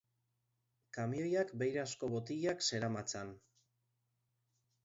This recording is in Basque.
Kamioiak beirazko botilak zeramatzan.